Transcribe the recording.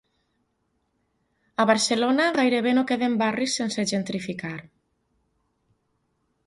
A Barcelona, gairebé no queden barris sense gentrificar.